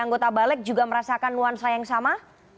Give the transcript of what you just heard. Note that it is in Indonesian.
anggota balik juga merasakan nuansa yang sama